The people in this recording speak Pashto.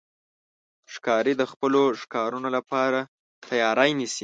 ښکاري د خپلو ښکارونو لپاره تیاری نیسي.